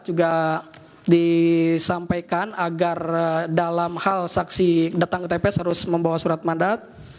juga disampaikan agar dalam hal saksi datang ke tps harus membawa surat mandat